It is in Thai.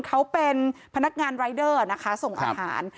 เขาเป็นพนักงานรายเดอร์นะคะส่งอาหาร